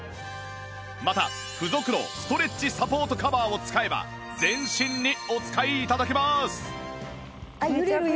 また付属のストレッチサポートカバーを使えば全身にお使い頂けます！